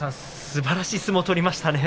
すばらしい相撲を取りましたね。